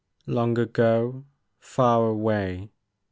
Long ago, far away.